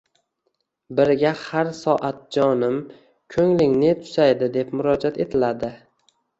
biriga har soat jonim, ko'ngling ne tusaydi» deb murojaat etiladi.